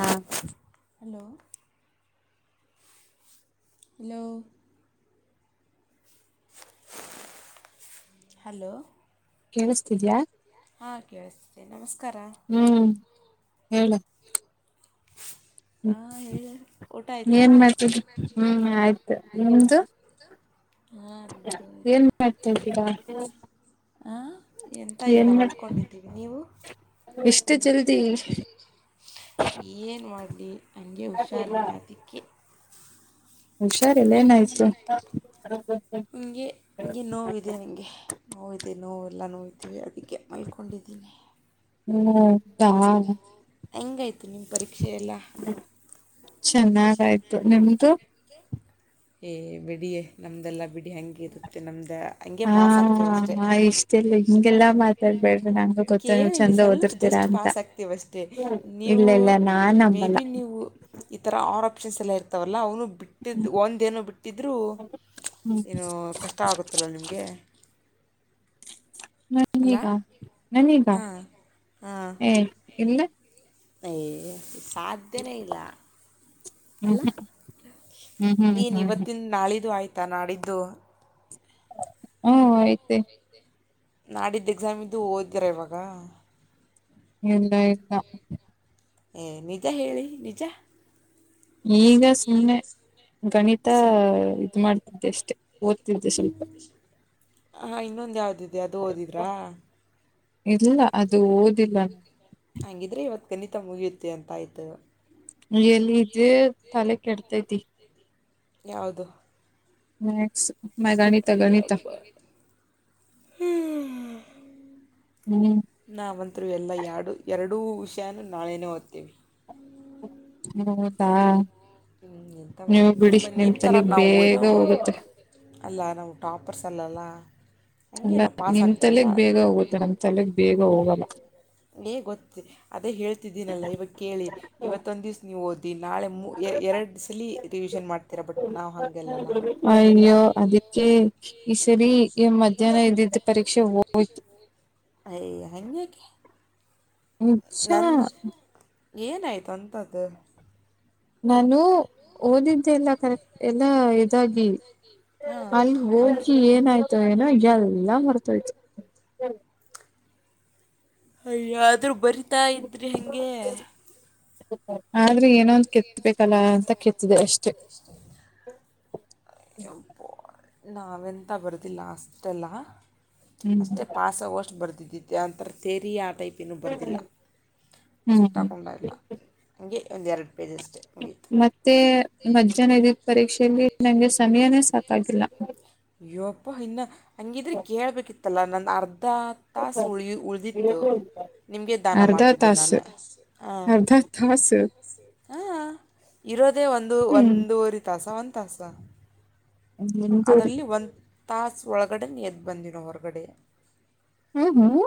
ಹಾ hello hello hello ಕೇಳಸತಿದಿಯಾ ಹಾ ಕೇಳಸತ್ತಿದೆ ನಮಸ್ಕಾರ ಹ್ಮ್ ಹೇಳ ಹ್ಮ್ ಊಟ ಆಯಿತಾ ಏನ್ ಮಾಡ್ತಿದಿ ಹ್ಮ್ ಆಯ್ತ್ ನಿಮ್ದು ಹಾಂ ನಮ್ಮದು ಆಯಿತು ಏನ್ ಮಾಡ್ತಾದಿರಾ ಹಾ ಎಂತ ಇಲ್ಲ ಮಲ್ಕೊಂಡಿದ್ದೀವಿ ನೀವು ಇಷ್ಟ ಜಲ್ದಿ ಏನ ಮಾಡಲಿ ಹಂಗೆ ಹುಷಾರಿಲ್ಲಾ ಅದಿಕ್ಕೆ ಹುಷಾರಿಲ್ಲ ಏನಾಯ್ತು ಇಂಗೆ ಇಂಗೆ ನೋವು ಇದೆ ನನಗೆ ನೋವಿದೆ ನೋವ ಎಲ್ಲ ನೋವಿತಿದೆ ಅದಕ್ಕೆ ಮಲ್ಕೊಂಡಿದ್ದೀನಿ ಹ್ಮ್ [unintelligible] ಹೆಂಗಾತ ನಿಮ್ಮ ಪರೀಕ್ಷೆ ಎಲ್ಲಾ ಚೆನ್ನಾಗಾಯ್ತು ನಿಮ್ದು ಏ ಬಿಡಿ ನಮದೆಲ್ಲಾ ಬಿಡಿ ಹಂಗೆ ಇರುತ್ತೆ ನಮ್ದ ಹಂಗೆ ಹಾ ಪಾಸ್ ಆಗ್ತಿವ ಅಷ್ಟೆ ಇಷ್ಟೆಲ್ಲ ಹಿಂಗೆಲ್ಲಾ ಮಾತಾಡ್ಬೇಡ್ರಿ ನಂಗು ಗೊತ್ತ ಕೇಳ ನೀವ್ ಇಲ್ಲಿ ಚಂದ ಸ್ವಲ್ಪ ಓದಿರ್ತೀರಾ ಜಸ್ಟ್ ಅಂತ ಪಾಸ್ ಆಗ್ತೀವ ಅಷ್ಟೇ ಇಲ್ಲ ನೀವು ಇಲ್ಲ ನಾನ್ ಮೇ ನಂಬಲ್ಲ ಬಿ ನೀವು ಈ ತರ ಆರ್ ಆಪ್ಷನ್ಸ್ ಎಲ್ಲ ಇರ್ತವಲ್ಲ ಅವನು ಬಿಟ್ಟಿದ್ದ ಒಂದ್ ಇದೇನೋ ಬಿಟ್ಟಿದರೂ ಹ್ಮ್ ಏನ ಕಷ್ಟ ಆಗುತ್ತಲ್ಲ ನಿಮಗೆ ಅಲ್ಲ ನನಿಗ ನನಿಗ ಹಾಂ ಏ ಇಲ್ಲ ಅಯ್ಯಯ ಸಾಧ್ಯನೇ ಇಲ್ಲ ಹ್ಮ್ ಅಲ್ಲ ಹ್ಮ್ ಹ್ಮ್ ಏನ ಹ್ಮ್ ಹ್ಮ್ ಹ್ಮ್ ಇವತ್ತಿನಂದ ನಾಳಿದ್ದು ಆಯಿತಾ ನಾಡಿದ್ದು ಹ್ಮ ಐತೆ ನಾಡಿದ್ದ ಎಕ್ಸಾಮಿದು ಓದಿದರ ಇವಾಗ ಇಲ್ಲ ಇಲ್ಲ ಏ ನಿಜ ಹೇಳಿ ನಿಜ ಈಗ ಸುಮ್ಮನೆ ಗಣಿತ ಸುಮ್ಮನೆ ಇದ್ ಮಾಡ್ತಿದ್ದೆ ಅಷ್ಟೆ ಓದ್ತಿದ್ದೆ ಸ್ವಲ್ಪ ಹ ಹ ಇನ್ನೊಂದ ಯಾವ್ದಿದೆ ಅದು ಓದಿದ್ರಾ ಇಲ್ಲ ಅದು ಓದಿಲ್ಲ ಹಂಗಿದ್ರೆ ಇವತ್ತು ಗಣಿತ ಮುಗಿಯುತ್ತೆ ಅಂತ ಆಯಿತು ಎಲ್ಲಿದೆ ತಲೆ ಕೆಡ್ತೈತಿ ಯಾವುದ್ ಮ್ಯಾಕ್ಸ್ ಮ ಗಣಿತ ಗಣಿತ ಹ್ಮ್ ನಾವಂತರೂ ಎಲ್ಲ ಯಾಡು ಎರಡೂ ವಿಷಯಾನ ನಾಳೇ ಓದ್ತೀವಿ ಹ್ಮ ಹಾ ಹ್ಮ್ ಎಂತ ಮಾಡ್ಬೇಕು ನಿಮ್ಮ ನಿಮ್ಮ ಥರ ತಲೆಗ್ ಬೇಗ ನಾವುನು ಹೋಗುತ್ತೆ ಅಲ್ಲ ನಾವು ಟಾಪರ್ಸ್ ಅಲ್ಲಲ್ಲ ಹಾಗೆ ಅಲ್ಲ ನಾವು ಪಾಸ್ ನಿಮ್ ಆಗ್ತೇವಲ್ಲ ತಲೆಗ ಬೇಗ ಹೋಗುತ್ತೆ ನಮ್ ತಲೆಗ್ ಬೇಗ ಹೋಗಲ್ಲ ಹೇ ಗೊತ್ತ ಅದೇ ಹೇಳ್ತಿದ್ದೀನಲ್ಲ ಇವಾಗ ಕೇಳಿ ಇವತ್ತೊಂದು ದಿವಸ ನೀವು ಓದಿ ನಾಳೆ ಮು ವಿನ್ ಮಾಡ್ತ ಬ ನಾವು ಹಲ್ಲ ಅಯ್ಯೋ ಅದಕ್ಕೆ ಈ ಸರಿ ಮಧ್ಯಾಹ್ನ ಇದ್ದಿದ್ದ ಪರೀಕ್ಷೆ ಹೋಯ್ತು ಅಯ ಹಂಗೇಕ ನನ್ ನಿಜ ಏನಾಯ್ತು ಅಂತದ್ದು ನಾನು ಓದಿದ್ದೆ ಎಲ್ಲ ಕರೆಕ್ ಎಲ್ಲಾ ಇದಾಗಿ ಹಾಂ ಅಲ್ಲಿ ಹಂಗೆ ಹೋಗಿ ಏನಾಯ್ತ ಏನೋಲ್ಲ ಮರ್ತಯ್ತು ಅಯ್ಯಾದರೂ ಬರಿತಾ ಇದ್ರರಿ ಹಾಗಗೆ ಆದ್ರೆ ಏನೊಂದು ಕೆತ್ಬೇಕಲ್ಲ ಅಂತ ಕೆತ್ತಿದೆ ಅಷ್ಟೆ ಹ್ಮ ಪ್ಪ ನಾವೆಂತ ಬರ್ದ ಲಾಸ್ಟ್ ಎಲ್ಲ ಹ್ಮ್ ಅಷ್ಟೇ ಪಾಸಗೋಷ್ಟು ಬರ್ದಿದ್ದೆ ಅಂತರ ತೆರಿ ಆ ಟೈಪ್ ಬರ್ದಿಲ್ಲ ಅಷ್ಟ ಹ್ಮ್ ತೊಂಡ ಇ ಹ ಒ ಪೇಜ ಮತ್ತೆ ಮಧ್ಯಾಹ್ನ ಇದದಿದ್ದ ಪರೀಕ್ಷೆಯಲ್ಲಿ ನಂಗೆ ಸಮಯನ ಸಾಕ್ಕಾಗಿಲ್ಲ ಅಯ್ಯಪ್ಪ ಇನ್ನು ಹಂಗಿದ್ರೆ ಕೇಳಬೇಕಿತ್ತಲ್ಲ ನನ್ನ ಅರ್ಧ ತಾಸು ಉಳಗಿ ಉಳ್ದಿತ್ತು ನಿಮಗೆ ದಾನ ಮಾಡ್ತಿದ್ದೆ ನಾನು ಾಸ ಹ ಇರೋದೇ ಒಂದು ಹ್ಮ್ ಒಂದೂವರಿ ತಾಸ ಒಂದ್ ತಾಸ ನಿಮ್ದೂರಿ ಅದರಲ್ಲಿ ಒಂದು ತಾಸ ಒಳಗಡೆ ಎದ್ದು ಬಂದಿನೋ ಹೊರಗಡೆ ಹ್ಮ ಹ್ಮ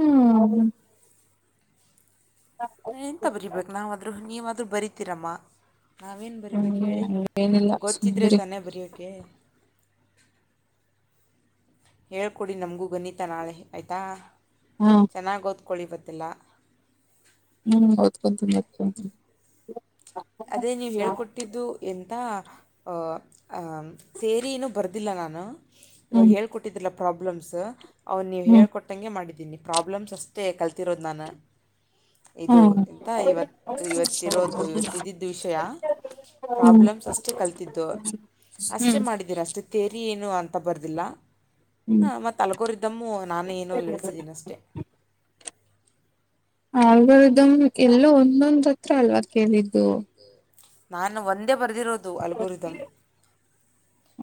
ಹ್ಮ್ ಹಾ ಎಂತ ಬರಿೀಬೇಕು ನಾವಾದ್ರೂ ನೀವ್ರರು ಬರಿತೀರಮ್ಮ ನಾವೇನು ಬರಿಬೇಕು ಹೇಳಿ ಹ್ಮ್ ಏನಿಲ್ಲ ಗೊತ್ತಿದ್ರೆ ಸುಮ್ನಿರಿ ತಾನೇ ಬರೋಕೆ ಹೇಳ್ಕೊಡಿ ನಮಗೂ ಗಣಿತ ನಾಳೆ ಆಯಿತಾ ಹಾ ಚೆನ್ನಾಗಿ ಓದ್ಕೊಳ್ಳಿ ಗೊತ್ತಿಲ್ಲ ಹ್ಮ್ ಹದ್ಕಂತನಿದಕಂತ ಅದೇ ನೀವು ಹೇಳ್ಕೊಟ್ಟ ಎದ್ದಿದ್ದು ಎಂತ ಅ ಅ ತೇರಿ ಇನೂ ಬರೆದಿಲ್ಲ ನಾನು. [inaudible] ಇವಾಗ ಹ್ಮ್ ಹೇಳ್ಕೊಟ್ಟಿದ್ರಿಲ್ಲ ಪ್ರಾಬ್ಲಮ್ಸ ಅವನ ನೀವು ಹ್ಮ್ ಹೇಳ್ಕೊಟ್ಟಂಗೆ ಮಾಡಿದೀನಿ. ಪ್ರಾಬ್ಲಮ್ಸ ಅಷ್ಟೇ ಕಲ್ತಿರೋದು ನಾನ. ಇದು ಹ್ಮ್ ಎಂತ ಇವತ್ತ ಇವತ್ತ ಇರೋದು ಇವತ್ತ ಇದಿದ್ದ ವಿಷಯಾ ಪ್ರಾಬ್ಲಮ್ಸ ಅಷ್ಟೇ ಕಲಿತಿದ್ದು. ಹ್ಮ್ ಹ್ಮ್ ಅಷ್ಟೇ ಮಾಡಿದ್ದೀರ ಅಷ್ಟೇ ತೆರಿ ಏನು ಅಂತ ಬರ್ದಿಲ್ಲ. ಹ್ಮ್ ಹಾ ಮತ್ತ ಅಲ್ಕೋರಿದ್ದಮ್ಮ ನಾನ ಇನ್ನು ಹೇಳಿಸಿದಿನಿ ಅಷ್ಟೇ. ಆಲಗೊರಿದಮ್ ಎಲ್ಲೋ ಒಂದೊಂದ ತತ್ರ ಅಲ್ವಾ ಕೇಳಿದ್ದು. ನಾನು ಒಂದೇ ಬರೆದಿರೋದು ಅಲಬುರಿದಮ್,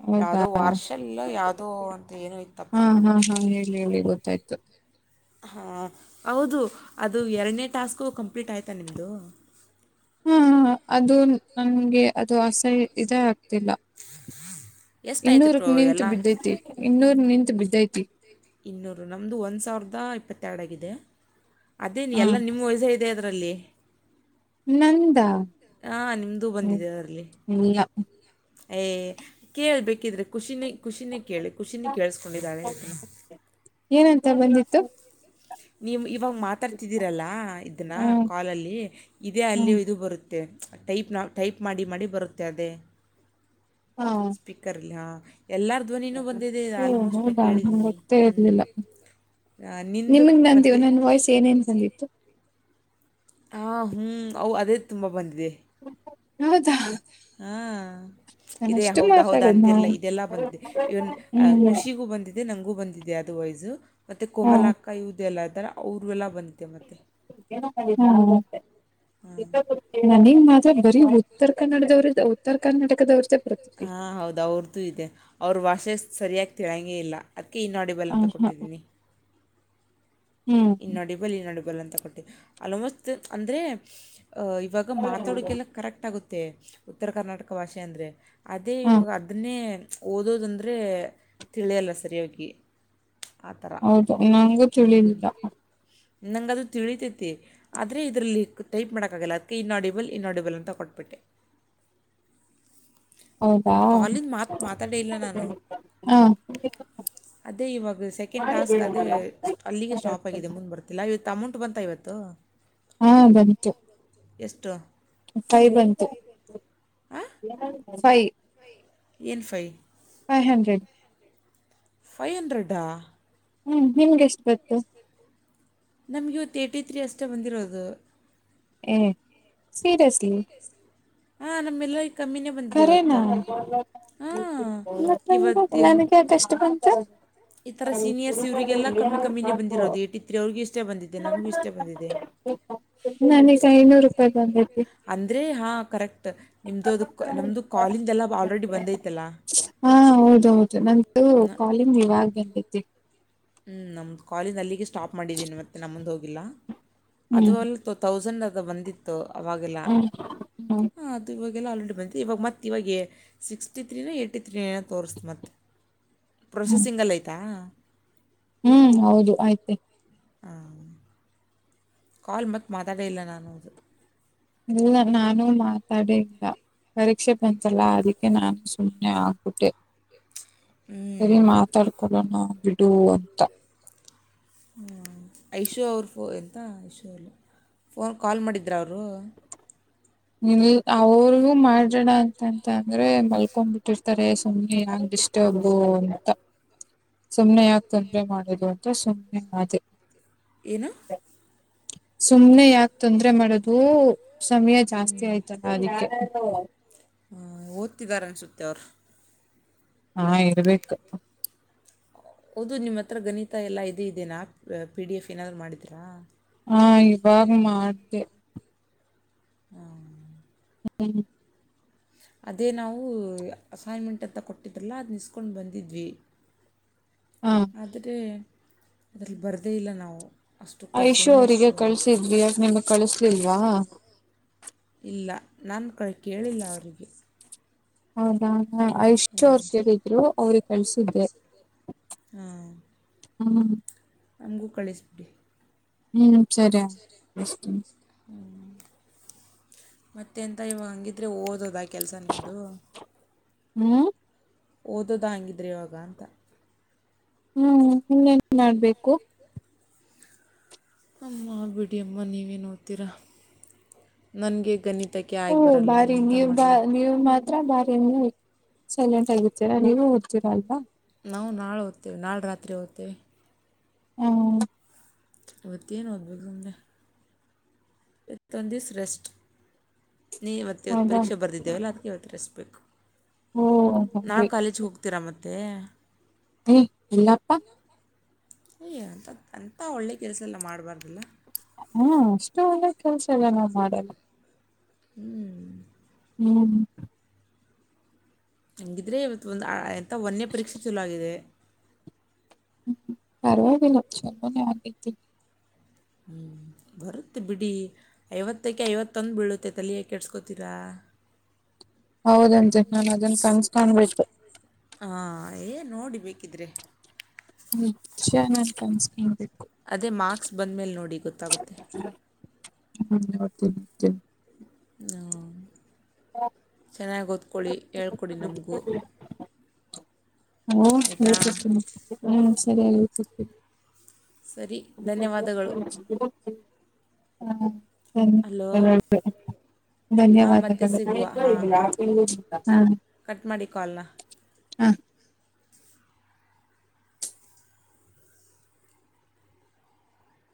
ಹೌದಾ ಯಾವುದೋ ವಾರ್ಷಲ್ಲ ಯಾವುದೋ ಅಂತ ಏನು ಇತ್ತಪ್ಪ ಹಾ ಹಾ ಹಾ ಹೇಳಿ ಹೇಳಿ ಗೊತ್ತ. [inaudible] ಆಯ್ತು. [inaudible] ಹಾ ಹೌದು ಅದು ಎರಡನೇ ಟಾಸ್ಕು ಕಂಪ್ಲೀಟ ಆಯ್ತು ನಿಮ್ಮದು. [inaudible] ಹಾ ಅದು ನಂಗೆ ಅದು ಅಸ್ಸೆಯ ಇದೇ ಆಗ್ತಿಲ್ಲ. [inaudible] ಎಷ್ಟಾಯಿತು ಪ್ರೋ ಇನ್ನೂರಕ್ಕ ನಿಂತು ಎಲ್ಲ ಬಿದ್ದೈತಿ ಇನ್ನೂರ ನಿಂತು ಬಿದ್ದೈತಿ. ಇನ್ನೂರು ನಮ್ದು ಒಂದ ಸಾವಿರದ ಇಪ್ಪತ್ತಯಾಡ ಆಗಿದೆ ಅದೇ ಏನ್ ಹಾ ಎಲ್ಲಾ ನಿಮ್ಮ ವಾಯ್ಸ ಇದ ಇದೇ ಅದರಲ್ಲಿ, ನಂದಾ? ಹಾ ನಿಮ್ದು ಬಂದಿದೆ ಅದರಲ್ಲಿ, ಇಲ್ಲಾ? ಏ ಕೇಳ್ಬೇಕಿದ್ರೆ ಖುಷಿನೇ ಖುಷಿನೇ ಕೇಳಿ ಖುಷಿನು ಕೇಳಸ್ಕೊಂಡಿದಾಳೆ. [inaudible] ನೀವ ಎಂಥ ಬಂದಿದ್ದು? [inaudible] ನೀವ ಇವಮ್ಮ ಮಾತಾಡ್ತಿದ್ದೀರಲ್ಲ ಇದನ್ನ ಹ್ಮ್ ಕೋಲ್ ಅಲ್ಲಿ. ಇದೇ ಹ್ಮ್ ಅಲ್ಲಿಯ ಇದು ಬರುತ್ತೆ ಟೈಪ್ ನಾವು ಟೈಪ್ ಮಾಡಿ ಮಾಡಿ ಬರುತ್ತೆ ಅದೇ, ಹಾ ಸ್ಪೀಕರ್ ಅಲ್ಲಿ ಹಾ ಇಲ್ಲಾರ ಓ ನೀನು ಬಂದಿದೆ ಓ ಆಲ್ಮೋಸ್ಟ ನಾ ಹೌದಾ ನಂಗೆ ಕೇಳಿದೀನಿ ಗೊತ್ತೇ ಹು ಇರ್ಲಿಲ್ಲ ಅ ನಿಂದು ಇವ ಮತ್ತು ನನ್ನ ವಾಯ್ಸ್ ಏನೇನ ತಂದಿ. ಹಾ ಹೂ ಅವ ಅದೇ ತುಂಬ ಬಂದಿದೆ. ಹೌದಾ? [inaudible] ಹಾ ಇದೆ ನಾನಷ್ಟು ಹೌದಾ ಹೌದಾ ಮಾತಾಡೋದ್ ನಾವು ಅಂತಿರ್ಲ ಇದೆಲ್ಲ ಬಂದಿದೆೆ ಇವನ್ ಹ್ಮ್ ಖುಷಿಗೂ ಬಂದಿದೆ [inaudible] ಇದೆ ನಂಗೂ ಬಂದಿದೆ ಅದು ವೈಸ್ ಮತ್ತೆ ಹಾ ಕೊಮಲಾ ಅಕ್ಕಾ ಇವರದೆಲ್ಲ ಆಯ್ತ ಅಲ್ಲಾ ಅವರು ಎಲ್ಲ ಬಂದಿದ್ದೆ ಮತ್ತೆ. ಹೂ [inaudible] [unintelligible] ನನಿಗೆ ಮಾತ್ರ ಬರೀ ಉತ್ತರ ಕನ್ನಡದವರದ ಉತ್ತರ ಕರ್ನಾಟದ ಅವರದೇ ಬರುತ್ತೆ. [inaudible] ಹಾ ಹೌದ ಅವರದು ಇದೆ ಅವರವಾಯ್ಸ್ ಸ ಸರಿಯಾಗಿ ತಿಳಿಯೊಂಗೆ ಇಲ್ಲ. ಅದಕ್ಕೆ ಇನ್ ಓಡಿಬಲ್ ಆ ಅಂತ ಹಾ ಕೊಟ್ಟಿದ್ದೀನಿ. ಹ್ಮ್ ಇನ್ ಓಡಿಬಲ್ ಇನ್ ಓಡಿಬಲ್ ಅಂತ ಕೊಟ್ಟಿದ್ದೇನೆ ಆಲ್ಮೋಸ್ಟ್ ಅಂದ್ರೆ ಇವಾಗ ಇಗ ಮಾತಾಡಕೆಲ್ಲ ಕರೆಕ್ಟ್ ಆಗುತ್ತೆ ಉತ್ತರ ಕರ್ನಾಟಕ ಭಾಷೆ ಅಂದ್ರೆ, ಅದೇ ಹಾ ಇವಾಗ ಅದನ್ನೇ ಓದೋದಂದ್ರೆ ತಿಳಿಯಲ್ಲ ಸರಿಯಾಗಿ. [inaudible] ಥರ ಹೌದಾ ನಂಗು ತಿಳಿಲಿಲ್ಲ. ನಂಗ ಅದು ತಿಳಿತೈತಿ. ಆದರೆ ಇದರಲ್ಲಿ ಟೈಪ್ ಮಾಡೋಕ್ಕಗಲ್ಲ ಅದಕ್ಕೆ ಇನ್ ಆಡಿಬಲ್ ಇನ್ ಆಡಿಬಲ್ ಅಂತ ಕೊಟ್ಟ ಬಿಟ್ಟೆ. ಹಾ ನನ್ನ ಕೋಲ್ ನ ಮಾತ್ ಮಾತಾಡೇ ಇಲ್ಲ ನಾನು? ಹಾ ಅದೇ ಇವಾಗ ಸೆಕೆಂಡ್ ಟಾಸ್ಕ್ ಅದೇ ಅಲ್ಲಿಗೆ ಸ್ಟಾಪ್ ಮುಂದ್ ಬರ್ತಿಲ್ಲ ಇವತ್ತು ಅಮೌಂಟ್ ಬಂತಾ ಇವತ್ತು ಹಾ ಬಂತಟು ಎಷ್ಟು ಫೈವ ಬಂತು ಫೈ ಎಏನ್ five five hundred five hundred ಹ್ಮ್ ನಿಮ್ಗೆಷ್ಟ ನಮ್ಗೆತ್ತು ಏರ್ಟಿ ತ್ರೀ ಅಷ್ಟ ಬಂದಿರೋದು ಹ್ಮ ಹಾ ನಮ್ಮೆಲ್ಲ ಕಮ್ಮಿನೇ ಬಂದಿದೆ ಕರೇನಾ ಹ ಮತ್ ನನ್ಗ ಇವತ್ತು ಎ ನನಗೆ ಯಾಕಷ್ಟು ಬಂತು [unintelligible] ಈ ತರ ಸೀನಿಯರ್ಸ್ ಇವ್ರರಿಗೆಲ್ಲ ಕಮ್ಮಿ ಕಮ್ಮಿನೇ ಬಂದಿರೋದು ಏಟಿ ತ್ರೀ ಅವ್ರಿಗೆ ಇಷ್ಟೆ ಬಂದಿದ್ದೆ ನನಗೂ ಇಷ್ಟೆ ಬಂದಿದೆ ನನಗ ಐನೂರು ರೂಪಾಯಿ ಬಂದೈತೆ ಅಂದರೆ ಹಾಂ ಕರೆಕ್ಟ್ ನಿಮ್ಮದು ಅದಕ್ಕೆ ನಮ್ಮದು ಕಾಲಿಂಗೆಲ್ಲ ಆಲ್ರೆಡಿ ಬಂದೈತಲ್ಲ ನ ನಿಮ್ದು ಇವಾಗ ಬಂದೈತೆ ಹ್ಞೂ ನಮ್ಮ ಕಾಲಜ ಅಲ್ಲಿಗೆ ಸ್ಟಾಪ್ ಮಾಡಿದ್ದೀನಿ ಮೆ ನಮ್ಮದು ಹೋಗಿಲ್ಲ ಅದು ಹ್ಮ್ ಅಲ್ ತೌಸಂಡ್ ಅದ ಬಂದಿತ್ತು ಅವಾಗೆಲ್ಲ ಹ್ಮ್ ಹ್ಮ್ ಹಾಂ ಅದು ಇವಾಗೆಲ್ಲ ಆಲ್ರೆಡಿ ಬಂದಿದ್ದು ಇವಾಗ ಮತ್ತುತ್ತ ಇವಾಗ ಸಿಕ್ಸ್ಟಿ ತ್ರೀನ ಯಿ ತ್ರೀನ ತೋರಿಸತು ಮತ್ತು ಹಾ ಪ್ರೊಸೆಸಿಂಗ್ ಅಲ್ಲಿ ಆಯ್ತಾ ಹ್ಮ್ ಹೌದು ಆಯ್ತ ಹಾ ಕಾಲ್ ಮತ್ತೆ ಮಾತಾಡೇ ಇಲ್ಲ ನಾನು ಅದು ಇಲ್ಲ ನಾನು ಮಾತಾಡ ಇಲ್ಲ ಪರೀಕ್ಷೆ ಬಂತಲ್ಲ ಅದಕ್ಕೆ ನಾನು ಸುಮ್ಮ್ನೆ ಆಗ್ಬಿಟ್ಟೆ ಹ್ಮ್ ಸರಿ ಮಾತಾಡ್ಕೊಳ್ಳೋಣ ನಾ ಬಿಡು ಅಂತ ಹ್ಞ ಐಶೋ ಅವರು ಫೋ ಎಂತ ಐಶೋಲ್ಲಿ ಫೋನ್ ಕಾಲ್ ಮಾಡಿದ್ರ ಅವರು ಇಲ್ ಅವ್ರಿಗೂ ಮಾಡ್ರೋಣ ಅಂತಂತ ಅಂದ್ರೆ ಮಲ್ಕೊಂಡ್ ಬಿಟ್ಟಿರ್ತಾರೆ ಸುಮ್ಮ್ನೆ ಯಾಕ್ ಡಿಸ್ಟ್ ಡಿಸ್ಟರ್ಬೋ ಅಂತಾ ಸುಮ್ನೆ ಯಾಕ ತೊಂದರೆ ಮಾಡದು ಅಂತ ಸುಮ್ನೆ ಆದೆ ಏನು ಸುಮ್ನೆ ಯಾಕ ತೊಂದ್ರೆ ಮಾಡದು ಸಮಯ ಜಾಸ್ತಿ ಅದ್ಕೆ [unintelligible] ಹ ಓದ್ತಿದ್ದಾರೆ ಅನ್ಸುತ್ತೆ ಅವ್ರು ಹಾ ಇರ್ಬೇಕು ಹೌದು ನಿಮ್ಮ ಹತ್ರ ಗಣಿತ ಎಲ್ಲ ಇದ ಇದೆನಾ ಪಿ ಡಿ ಎಫ್ ಏನಾದರೂ ಮಾಡಿದೀರಾ ಹಾ ಇವಾಗ ಮಾಡ್ದೆ ಹಾ ಹ್ಮ್ ಅದೇ ನಾವು ಅಸೈನ್ಮೆಂಟ್ ಅಂತ ಕೊಟ್ಟಿದ್ರಲ್ಲ ಅದು ನಿಸ್ಕೊಂಡು ಬಂದಿದ್ವಿ ಹಾ [unintelligible] ಅದರಲ್ಲಿ ಬರದೇ ಇಲ್ಲ ನಾವು ಅಷ್ಟಕ್ಕೆ ಐಶೂ ಸುಮ್ಮನೆ ಅವರಿಗೆ ಇಸ್ಕೊಂಡ್ವಿ ಕಳ್ಸಿದ್ವಿ ಯಾಕ್ ನಿಮ್ಗ್ ಕಳಿಸ್ಲಿಲ್ವಾ ಇಲ್ಲ ನಾನ್ ಕ ಕೇಳಿಲ್ಲ ಅವರಿಗೆ ಹೌದಾ ಹಾ ಐಶೂ ಅವ್ರು ಕೇಳಿದ್ರು ಅವ್ರಿಗೆ ಕಳ್ಸಿದ್ದೆ ಹಾಂ ಹ್ಮ ನಮಗೂ ಕಳಿಸಬಿಡಿ ಹ್ಮ್ ಸರಿ ಆಯ್ತು ಕಳಿಸ್ತೀನಿ ಹ್ಮ್ ಮತ್ತೆ ಎಂತ ಇವಾಗ ಅಂಗಿದ್ರೆ ಓದದ ಕೆಲ್ಸ ನಿಮ್ದು ಹ್ಮ್ ಓದೋದ ಹಂಗಿದ್ರೆ ಇವಾಗ ಅಂತ ಹ್ಮ್ ಇನ್ನನ್ ಮಾಡ್ಬೇಕು ಅಮ್ಮ ಬಿಡಿಯಮ್ಮ ನೀವೇನು ನೋಡ್ತೀರಾ ನನಗೆ ಈಗ ನಿದ್ ಓ ಬಾರಿ ನೀವು ಬಾ ನೀವ್ ಮತ್ ಬಾರಿ ಎ ಸೈಲೆಂಟ್ ಆಗಿರ್ತೀರಾ ನೀವು ಓದ್ತಿರ ಅಲ್ವಾ ನಾವು ನಾಳೆ ಓದ್ತೀವಿ ನಾಳೆ ರಾತ್ರಿ ಓದ್ತೀವಿ ಹ್ಮ ಇವತ್ತೇನು ಓದ್ಬೇಕು ಅಂದ್ರೆ ಇವತ್ತೊಂದು ದಿವ್ಸ ರೆಸ್ಟ್ ನೀವತ್ತು ಇವತ್ತು ಹೌದಾ ಪರೀಕ್ಷೆ ಬರೆದಿದ್ದೇವಲ್ಲ ಅದಕ್ಕೆ ಇವತ್ತು ರೆಸ್ಟ್ ಬೇಕು ಓ ನಾಳೆ ಹಾಗೆ ಕಾಲೇಜ್ ಹೋಗ್ತೀರ ಮತ್ತೆ ದಿ ಇಲ್ಲಪ್ಪ ಯ ಅಂತ ಅಂತ ಒಳ್ಳೆ ಕೆಲಸ ಎಲ್ಲ ಮಾಡ್ಬಾರ್ದಲ್ಲ ಹುಂ ಅಷ್ಟು ಒಳ್ಳೆ ಕೆಲ್ಸ ಎಲ್ಲ ನಾವ್ ಮಾಡಲ್ಲ ಹ್ಮ್ ಹ್ಮ್ ಹಂಗಿದ್ರೆ ಇವತ್ತು ಒಂದು ಎಂತ ವನ್ನೆ ಪರೀಕ್ಷೆ ಚಲೋ ಆಗಿದೆ ಹ್ಮ ಪರವಾಗಿಲ್ಲ [unintelligible] ಹ್ಮ್ ಬರುತ್ತೆ ಬಿಡಿ ಐವತ್ತಕ್ಕೆ ಐವತ್ತೊಂದು ಬೀಳುತ್ತೆ ತಲಿಯ ಕೆಡ್ಸ್ಕೋತೀರಾ ಹೌದಂತೆ ನಾನ್ ಅದನ್ನ ಕನಸ್ ಕಾಣ್ಬೆಕ್ಕಿತು ಹಾ ಏ ನೋಡಿ ಬೇಕಿದ್ರೆ ಹ್ಮ್ ಚನ್ನಾಗ್ ಕನ್ಸ್ ನೋಡಿ ಅದೇ ಮಾರ್ಕ್ಸ್ ಬಂದ ಮೇಲೆ ನೋಡಿ ಗೊತ್ತಾಗುತ್ತೆ ಹ್ಮ್ ನೋಡ್ತೀನಿ ಚೆನ್ನಾಗಿ ಓದ್ಕೊಳ್ಳಿ ಹೇಳ್ಕೊಡಿ ನಮ್ಗೂ ಹ್ಮ್ ಸರಿ ಹೇಳ್ ಕೊಡ್ತೀನಿ ಹಾ ಸರಿಯಾಗಿ ಹೇಳ್ಕೊಡ್ತೀನಿ ಸರಿ ಧನ್ಯವಾದಗಳು ಹಲೋ [unintelligible] ಹಾಂ ಮತ್ತೆ ಧನ್ಯವಾದಗಳು ಸಿಗುವ ಹಾಂ ಹಾಂ ಹಾ ಕಟ್ ಮಾಡಿ ಕಾಲ್ನ ಹಾ